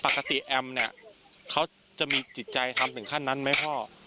แอมเนี่ยเขาจะมีจิตใจทำถึงขั้นนั้นไหมพ่อ